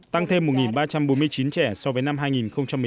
tăng thêm một người